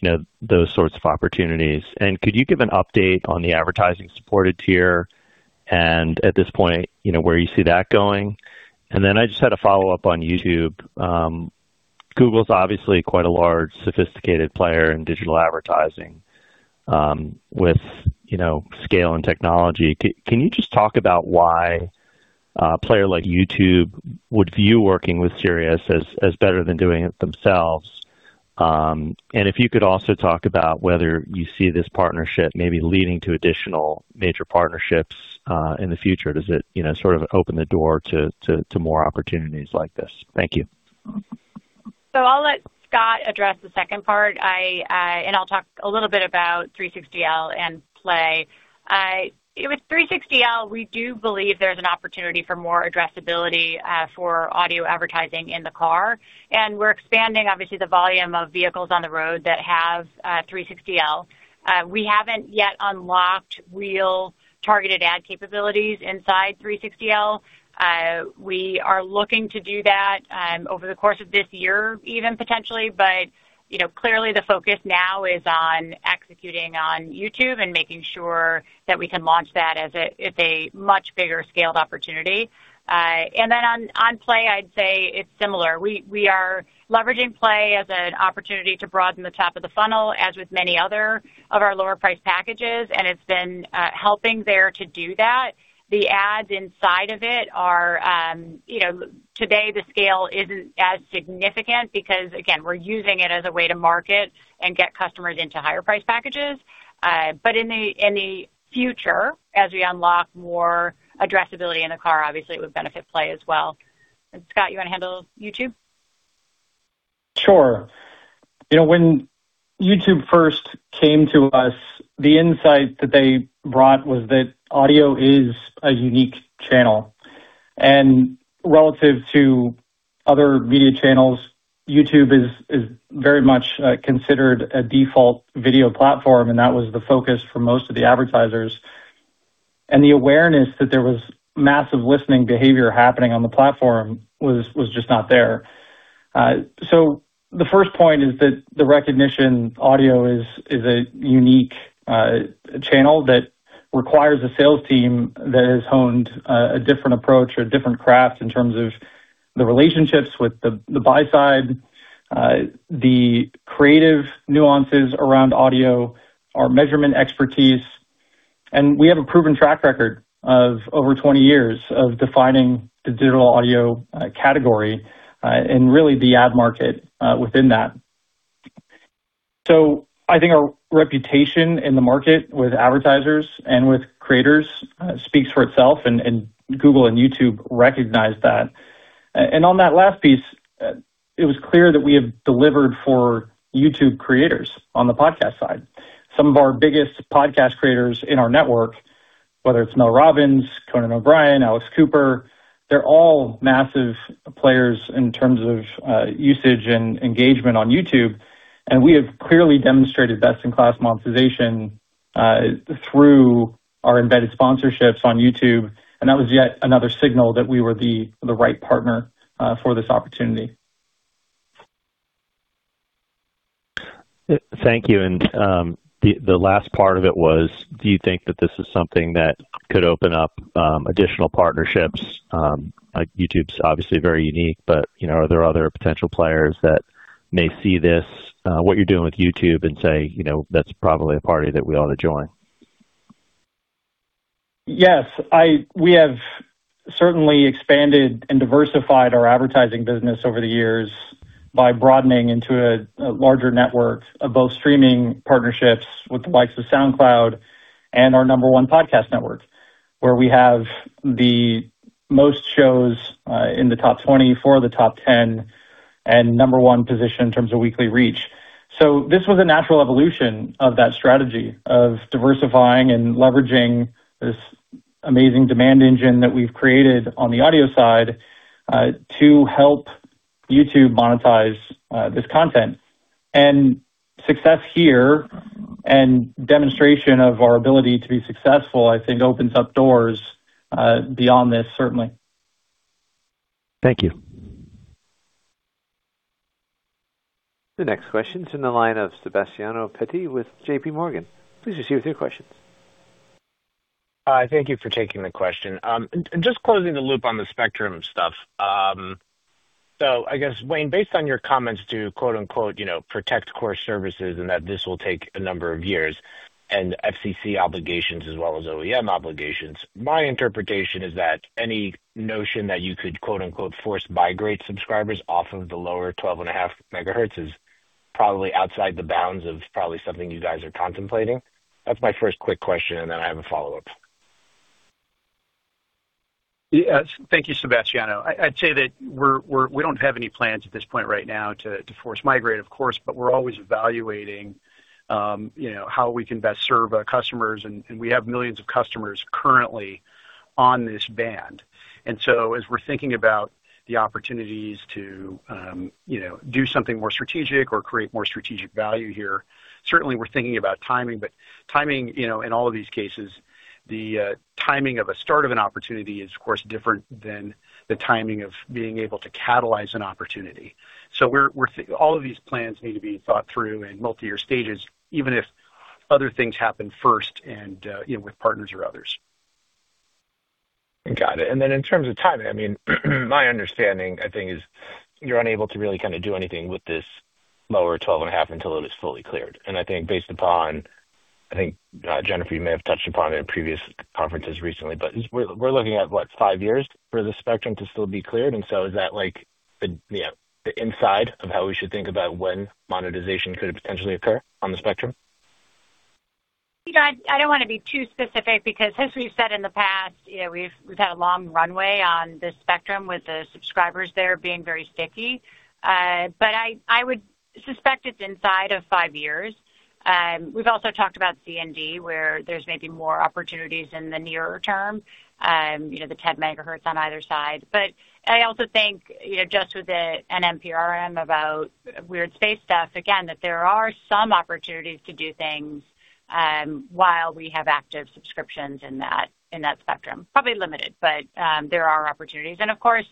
you know, those sorts of opportunities. Could you give an update on the advertising supported tier and at this point, you know, where you see that going? I just had a follow-up on YouTube. Google's obviously quite a large sophisticated player in digital advertising, with, you know, scale and technology. Can you just talk about why a player like YouTube would view working with Sirius as better than doing it themselves? If you could also talk about whether you see this partnership maybe leading to additional major partnerships in the future. Does it, you know, sort of open the door to more opportunities like this? Thank you. I'll let Scott address the second part. I'll talk a little bit about 360L and Play. With 360L, we do believe there's an opportunity for more addressability for audio advertising in the car, and we're expanding obviously the volume of vehicles on the road that have 360L. We haven't yet unlocked real targeted ad capabilities inside 360L. We are looking to do that over the course of this year, even potentially, but, you know, clearly the focus now is on executing on YouTube and making sure that we can launch that as a much bigger scaled opportunity. Then on Play, I'd say it's similar. We are leveraging Play as an opportunity to broaden the top of the funnel, as with many other of our lower priced packages. It's been helping there to do that. The ads inside of it are, you know, today, the scale isn't as significant because again, we're using it as a way to market and get customers into higher priced packages. In the future, as we unlock more addressability in a car, obviously it would benefit Play as well. Scott, you wanna handle YouTube? Sure. You know, when YouTube first came to us, the insight that they brought was that audio is a unique channel. Relative to other media channels, YouTube is very much considered a default video platform, and that was the focus for most of the advertisers. The awareness that there was massive listening behavior happening on the platform was just not there. The first point is that the recognition audio is a unique channel that requires a sales team that has honed a different approach or different crafts in terms of the relationships with the buy side, the creative nuances around audio or measurement expertise. We have a proven track record of over 20 years of defining the digital audio category and really the ad market within that. I think our reputation in the market with advertisers and with creators speaks for itself, and Google and YouTube recognize that. On that last piece, it was clear that we have delivered for YouTube creators on the podcast side. Some of our biggest podcast creators in our network, whether it's Mel Robbins, Conan O'Brien, Alex Cooper, they're all massive players in terms of usage and engagement on YouTube, and we have clearly demonstrated best-in-class monetization through our embedded sponsorships on YouTube, and that was yet another signal that we were the right partner for this opportunity. Thank you. The, the last part of it was, do you think that this is something that could open up additional partnerships? Like, YouTube's obviously very unique, but, you know, are there other potential players that may see this, what you're doing with YouTube and say, you know, that's probably a party that we ought to join? Yes. We have certainly expanded and diversified our advertising business over the years by broadening into a larger network of both streaming partnerships with the likes of SoundCloud and our number one podcast network, where we have the most shows in the top 20, four of the top 10, and number one position in terms of weekly reach. This was a natural evolution of that strategy of diversifying and leveraging this amazing demand engine that we've created on the audio side to help YouTube monetize this content. Success here and demonstration of our ability to be successful, I think opens up doors beyond this, certainly. Thank you. The next question is in the line of Sebastiano Petti with JPMorgan. Please proceed with your questions. Hi, thank you for taking the question. Just closing the loop on the spectrum stuff. I guess, Wayne, based on your comments to quote, unquote, you know, protect core services and that this will take a number of years and FCC obligations as well as OEM obligations, my interpretation is that any notion that you could quote, unquote, force migrate subscribers off of the lower 12.5 MHz is probably outside the bounds of something you guys are contemplating. That's my first quick question, and then I have a follow-up. Yes. Thank you, Sebastiano. I'd say that we don't have any plans at this point right now to force migrate, of course, but we're always evaluating, you know, how we can best serve our customers and we have millions of customers currently on this band. As we're thinking about the opportunities to, you know, do something more strategic or create more strategic value here, certainly we're thinking about timing. Timing, you know, in all of these cases, the timing of a start of an opportunity is, of course, different than the timing of being able to catalyze an opportunity. All of these plans need to be thought through in multi-year stages, even if other things happen first and, you know, with partners or others. Got it. Then in terms of timing, I mean, my understanding, I think, is you're unable to really kinda do anything with this lower 12.5 MHz until it is fully cleared. I think based upon, I think, Jennifer, you may have touched upon it in previous conferences recently, but we're looking at, what, five years for the spectrum to still be cleared. Is that like the, you know, the inside of how we should think about when monetization could potentially occur on the spectrum? You know, I don't wanna be too specific because as we've said in the past, you know, we've had a long runway on this spectrum with the subscribers there being very sticky. I would suspect it's inside of five years. We've also talked about C and D, where there's maybe more opportunities in the nearer term, you know, the 10 MHz on either side. I also think, you know, just with the NPRM about weird space stuff, again, that there are some opportunities to do things while we have active subscriptions in that spectrum. Probably limited, but there are opportunities. Of course,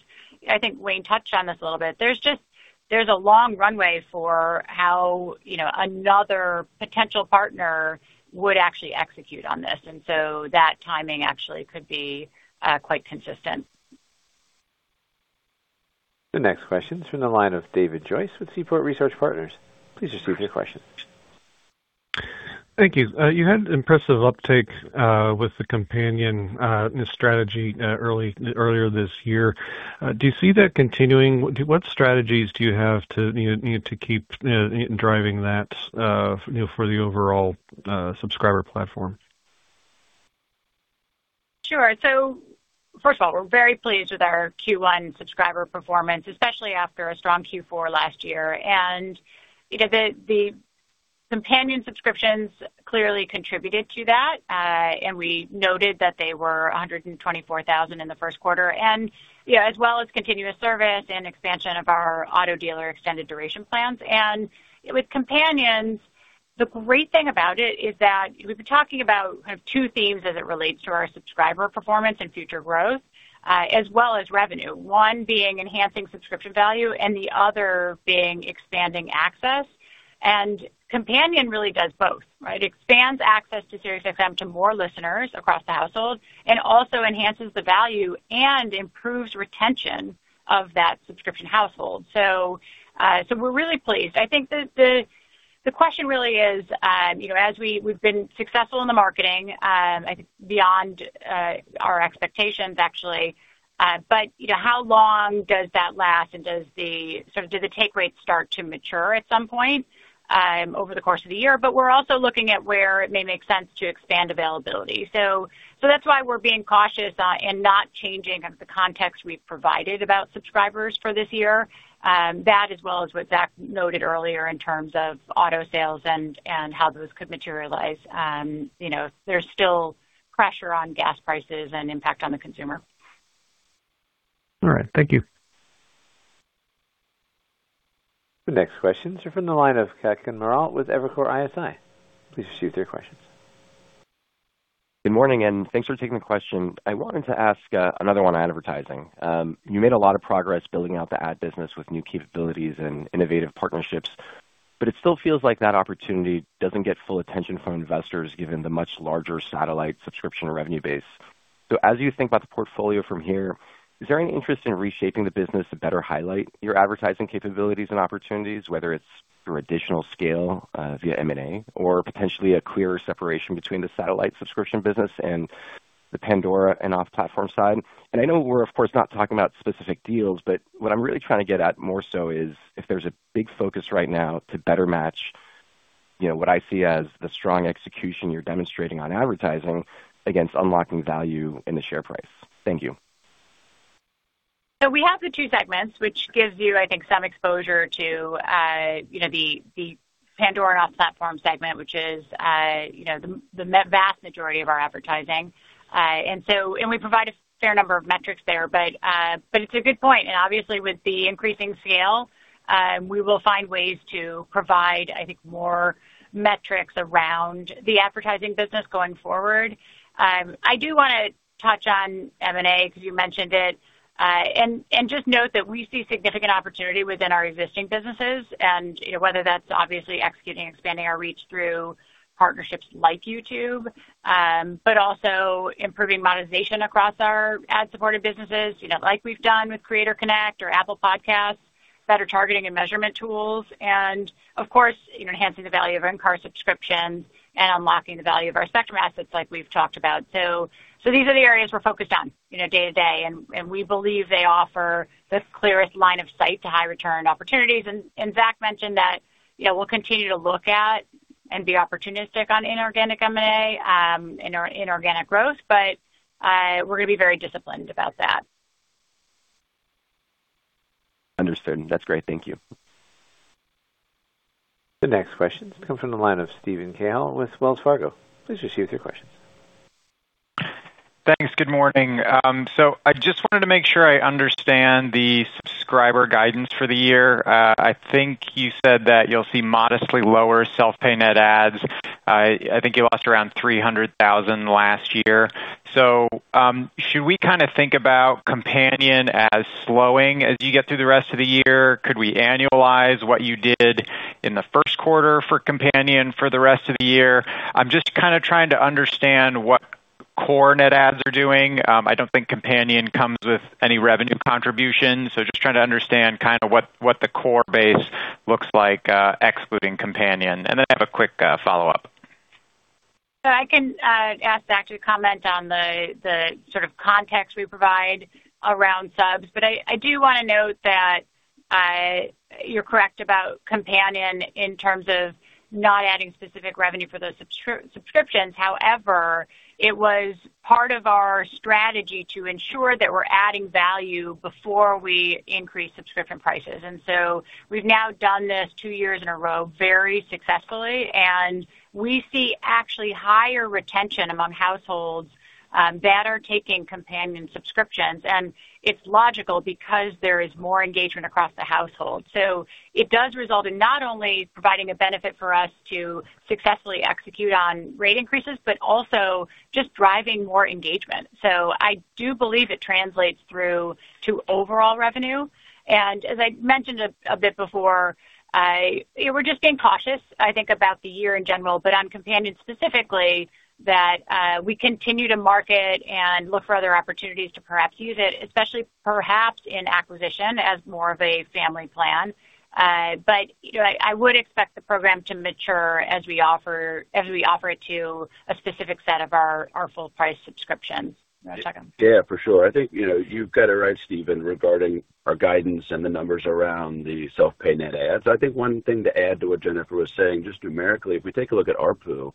I think Wayne touched on this a little bit. There's a long runway for how, you know, another potential partner would actually execute on this. That timing actually could be quite consistent. The next question is from the line of David Joyce with Seaport Research Partners. Please proceed with your question. Thank you. You had impressive uptake with the companion strategy earlier this year. Do you see that continuing? What strategies do you have to, you know, need to keep driving that, you know, for the overall subscriber platform? Sure. First of all, we're very pleased with our Q1 subscriber performance, especially after a strong Q4 last year. The companion subscriptions clearly contributed to that. We noted that they were 124,000 in the first quarter, as well as continuous service and expansion of our auto dealer extended duration plans. With companions, the great thing about it is that we've been talking about kind of two themes as it relates to our subscriber performance and future growth, as well as revenue. One being enhancing subscription value and the other being expanding access. Companion really does both, right? Expands access to SiriusXM to more listeners across the household and also enhances the value and improves retention of that subscription household. We're really pleased. I think The question really is, you know, as we've been successful in the marketing, I think beyond our expectations, actually. You know, how long does that last and does the, sort of do the take rates start to mature at some point over the course of the year? We're also looking at where it may make sense to expand availability. That's why we're being cautious and not changing kind of the context we've provided about subscribers for this year. That as well as what Zac noted earlier in terms of auto sales and how those could materialize. You know, there's still pressure on gas prices and impact on the consumer. All right. Thank you. The next questions are from the line of Kutgun Maral with Evercore ISI. Please proceed with your questions. Good morning. Thanks for taking the question. I wanted to ask another one on advertising. You made a lot of progress building out the ad business with new capabilities and innovative partnerships, it still feels like that opportunity doesn't get full attention from investors given the much larger satellite subscription revenue base. As you think about the portfolio from here, is there any interest in reshaping the business to better highlight your advertising capabilities and opportunities, whether it's through additional scale via M&A or potentially a clearer separation between the satellite subscription business and the Pandora and off-platform side? I know we're of course not talking about specific deals, but what I'm really trying to get at more so is if there's a big focus right now to better match, you know, what I see as the strong execution you're demonstrating on advertising against unlocking value in the share price. Thank you. We have the two segments, which gives you, I think, some exposure to, you know, the Pandora and off-platform segment, which is, you know, the vast majority of our advertising. We provide a fair number of metrics there. It's a good point. Obviously, with the increasing scale, we will find ways to provide, I think, more metrics around the advertising business going forward. I do wanna touch on M&A because you mentioned it. Just note that we see significant opportunity within our existing businesses and, you know, whether that's obviously executing and expanding our reach through partnerships like YouTube, but also improving monetization across our ad-supported businesses, you know, like we've done with Creator Connect or Apple Podcasts, better targeting and measurement tools, and of course, enhancing the value of in-car subscriptions and unlocking the value of our spectrum assets like we've talked about. These are the areas we're focused on, you know, day to day, and we believe they offer the clearest line of sight to high return opportunities. Zac mentioned that, you know, we'll continue to look at and be opportunistic on inorganic M&A, inorganic growth, but we're gonna be very disciplined about that. Understood. That's great. Thank you. The next questions come from the line of Steven Cahall with Wells Fargo. Please proceed with your questions. Thanks. Good morning. I just wanted to make sure I understand the subscriber guidance for the year. I think you said that you'll see modestly lower self-pay net adds. I think you lost around 300,000 last year. Should we think about Companion as slowing as you get through the rest of the year? Could we annualize what you did in the first quarter for Companion for the rest of the year? I'm just trying to understand what core net adds are doing. I don't think Companion comes with any revenue contribution, just trying to understand what the core base looks like, excluding Companion. I have a quick follow-up. I can ask Zac to comment on the sort of context we provide around subs. I do want to note that you're correct about companion in terms of not adding specific revenue for those subscriptions. However, it was part of our strategy to ensure that we're adding value before we increase subscription prices. We've now done this two years in a row very successfully, and we see actually higher retention among households that are taking companion subscriptions. It's logical because there is more engagement across the household. It does result in not only providing a benefit for us to successfully execute on rate increases, but also just driving more engagement. I do believe it translates through to overall revenue. As I mentioned a bit before, we're just being cautious, I think, about the year in general, but on companion specifically, that we continue to market and look for other opportunities to perhaps use it, especially perhaps in acquisition as more of a family plan. You know, I would expect the program to mature as we offer it to a specific set of our full price subscription. You wanna talk on it? Yeah, for sure. I think, you know, you've got it right, Steven, regarding our guidance and the numbers around the self-pay net adds. I think one thing to add to what Jennifer was saying, just numerically, if we take a look at ARPU,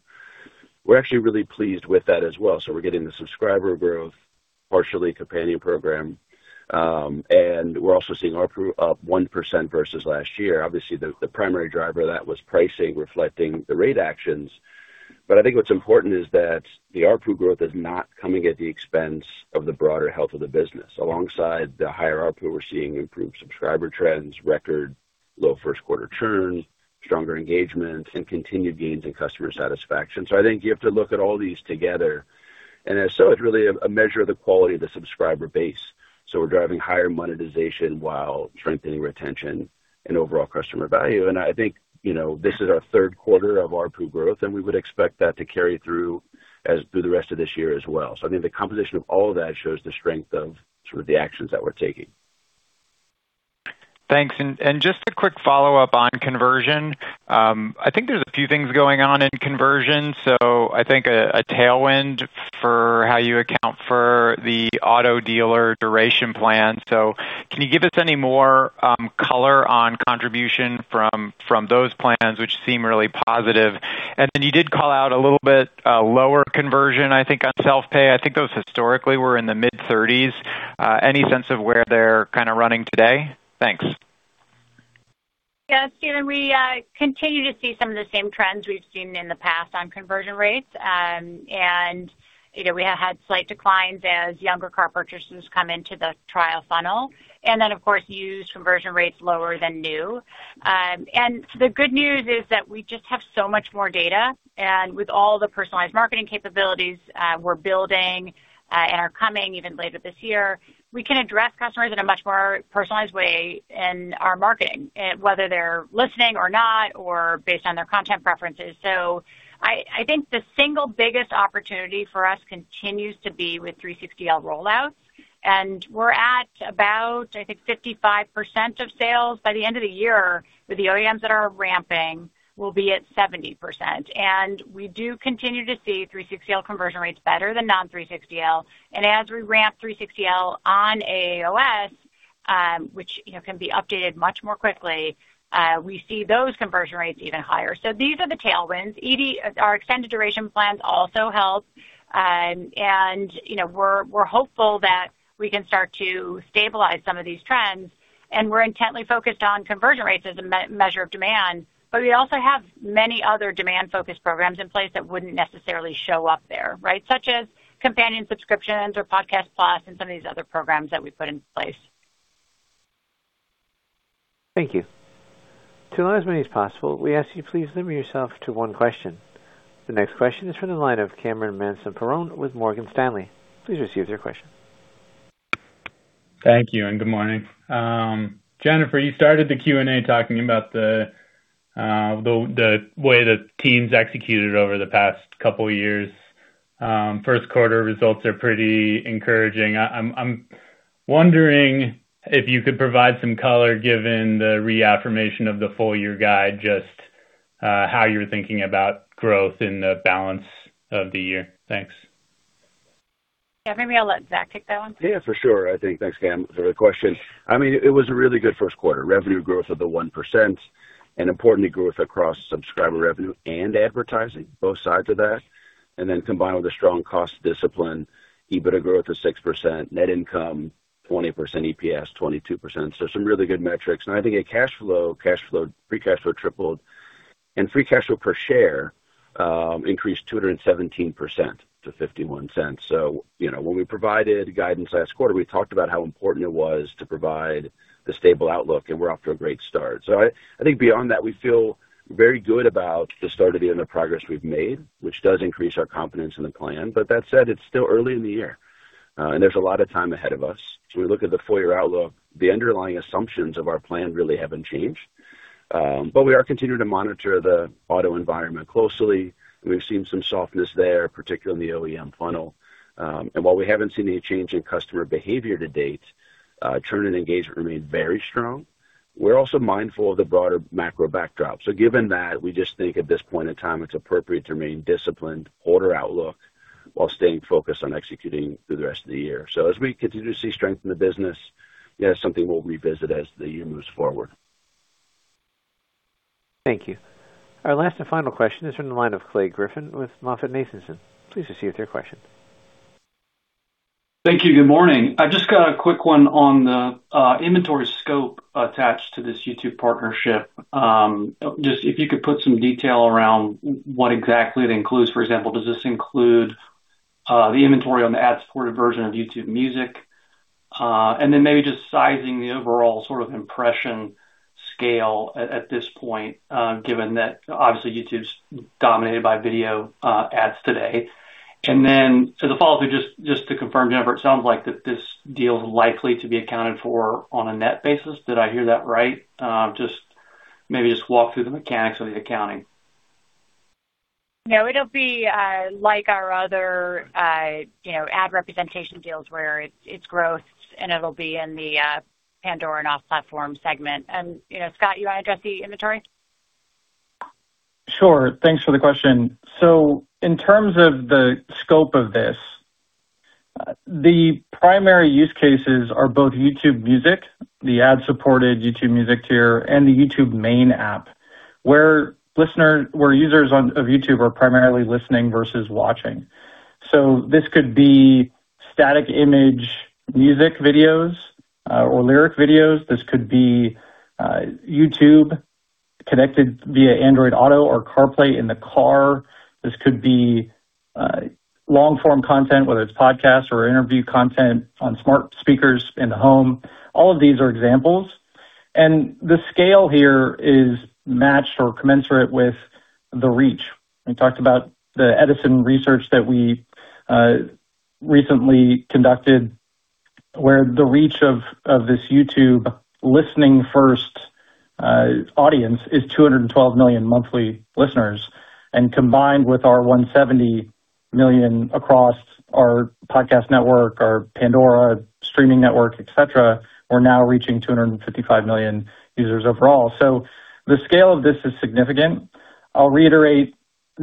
we're actually really pleased with that as well. We're getting the subscriber growth, partially companion program, and we're also seeing ARPU up 1% versus last year. Obviously, the primary driver of that was pricing reflecting the rate actions. I think what's important is that the ARPU growth is not coming at the expense of the broader health of the business. Alongside the higher ARPU, we're seeing improved subscriber trends, record low first quarter churn, stronger engagement, and continued gains in customer satisfaction. I think you have to look at all these together. It's really a measure of the quality of the subscriber base. We're driving higher monetization while strengthening retention and overall customer value. I think, you know, this is our third quarter of ARPU growth, and we would expect that to carry through as through the rest of this year as well. I think the composition of all of that shows the strength of sort of the actions that we're taking. Thanks. Just a quick follow-up on conversion. I think there's a few things going on in conversion. I think a tailwind for how you account for the auto dealer duration plan. Can you give us any more color on contribution from those plans, which seem really positive? You did call out a little bit lower conversion, I think on self-pay. I think those historically were in the mid-30s. Any sense of where they're kind of running today? Thanks. Yeah, Steven, we continue to see some of the same trends we've seen in the past on conversion rates. You know, we have had slight declines as younger car purchasers come into the trial funnel, and then of course, used conversion rates lower than new. The good news is that we just have so much more data, and with all the personalized marketing capabilities we're building and are coming even later this year, we can address customers in a much more personalized way in our marketing, whether they're listening or not or based on their content preferences. I think the single biggest opportunity for us continues to be with SiriusXM with 360L rollout. We're at about, I think, 55% of sales. By the end of the year, with the OEMs that are ramping, we'll be at 70%. We do continue to see SiriusXM with 360L conversion rates better than non-SiriusXM with 360L. As we ramp SiriusXM with 360L on AOS, which, you know, can be updated much more quickly, we see those conversion rates even higher. These are the tailwinds. Our extended duration plans also help. You know, we're hopeful that we can start to stabilize some of these trends, and we're intently focused on conversion rates as a measure of demand. We also have many other demand-focused programs in place that wouldn't necessarily show up there, right? Such as companion subscriptions or SiriusXM Podcasts+ and some of these other programs that we've put into place. Thank you. To allow as many as possible, we ask you please limit yourself to one question. The next question is from the line of Cameron Mansson-Perrone with Morgan Stanley. Thank you, and good morning. Jennifer, you started the Q&A talking about the way the team's executed over the past couple years. First quarter results are pretty encouraging. I'm wondering if you could provide some color, given the reaffirmation of the full-year guide, just how you're thinking about growth in the balance of the year. Thanks. Yeah, maybe I'll let Zac kick that one. Yeah, for sure, I think. Thanks, Cameron, for the question. I mean, it was a really good first quarter. Revenue growth of 1%, importantly, growth across subscriber revenue and advertising, both sides of that. Combined with a strong cost discipline, EBITDA growth of 6%, net income 20%, EPS 22%. Some really good metrics. I think a free cash flow tripled, free cash flow per share increased 217% to $0.51. You know, when we provided guidance last quarter, we talked about how important it was to provide the stable outlook. We're off to a great start. I think beyond that, we feel very good about the start of the progress we've made, which does increase our confidence in the plan. That said, it's still early in the year, and there's a lot of time ahead of us. We look at the full year outlook, the underlying assumptions of our plan really haven't changed. We are continuing to monitor the auto environment closely. We've seen some softness there, particularly in the OEM funnel. While we haven't seen any change in customer behavior to date, churn and engagement remain very strong. We're also mindful of the broader macro backdrop. Given that, we just think at this point in time it's appropriate to remain disciplined, order outlook, while staying focused on executing through the rest of the year. As we continue to see strength in the business, yeah, something we'll revisit as the year moves forward. Thank you. Our last and final question is from the line of Clay Griffin with MoffettNathanson. Please proceed with your question. Thank you. Good morning. I've just got a quick one on the inventory scope attached to this YouTube partnership. Just if you could put some detail around what exactly it includes. For example, does this include the inventory on the ad-supported version of YouTube Music? Then maybe just sizing the overall sort of impression scale at this point, given that obviously YouTube's dominated by video ads today. The follow-up, just to confirm, Jennifer, it sounds like that this deal is likely to be accounted for on a net basis. Did I hear that right? Just maybe just walk through the mechanics of the accounting. No, it'll be, like our other, you know, ad representation deals where it's growth, and it'll be in the Pandora and off-platform segment. You know, Scott, you want to address the inventory? Sure. Thanks for the question. In terms of the scope of this, the primary use cases are both YouTube Music, the ad-supported YouTube Music tier, and the YouTube main app, where users of YouTube are primarily listening versus watching. This could be static image music videos, or lyric videos. This could be YouTube connected via Android Auto or CarPlay in the car. This could be long-form content, whether it's podcasts or interview content on smart speakers in the home. All of these are examples. The scale here is matched or commensurate with the reach. We talked about the Edison Research that we recently conducted, where the reach of this YouTube listening first audience is 212 million monthly listeners. Combined with our 170 million across our podcast network, our Pandora streaming network, et cetera, we're now reaching 255 million users overall. The scale of this is significant. I'll reiterate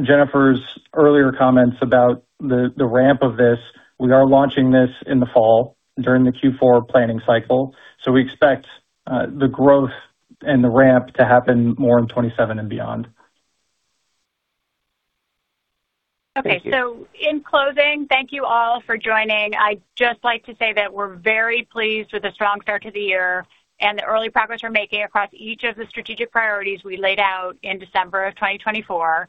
Jennifer's earlier comments about the ramp of this. We are launching this in the fall during the Q4 planning cycle, we expect the growth and the ramp to happen more in 2027 and beyond. Thank you. In closing, thank you all for joining. I'd just like to say that we're very pleased with the strong start to the year and the early progress we're making across each of the strategic priorities we laid out in December of 2024.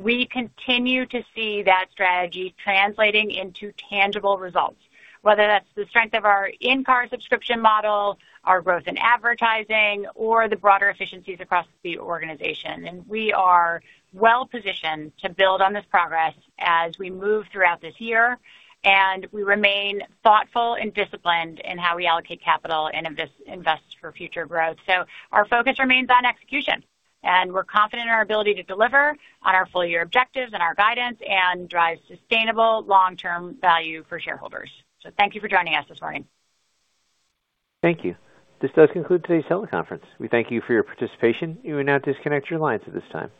We continue to see that strategy translating into tangible results, whether that's the strength of our in-car subscription model, our growth in advertising or the broader efficiencies across the organization. We are well positioned to build on this progress as we move throughout this year. We remain thoughtful and disciplined in how we allocate capital and invest for future growth. Our focus remains on execution, and we're confident in our ability to deliver on our full-year objectives and our guidance and drive sustainable long-term value for shareholders. Thank you for joining us this morning. Thank you. This does conclude today's teleconference. We thank you for your participation. You may now disconnect your lines at this time.